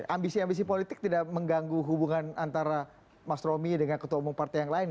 ambisi ambisi politik tidak mengganggu hubungan antara mas romy dengan ketua umum partai yang lain